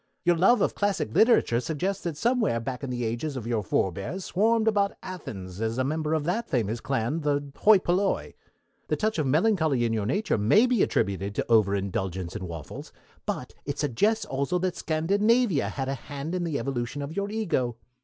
Your love of classic literature suggests that somewhere back in the ages one of your forbears swarmed about Athens as a member of that famous clan, the Hoi Polloi. The touch of melancholy in your nature may be attributed to overindulgence in waffles, but it suggests also that Scandinavia had a hand in the evolution of your Ego.